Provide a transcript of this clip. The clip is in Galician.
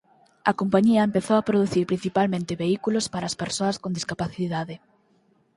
A compañía empezou a producir principalmente vehículos para persoas con discapacidade.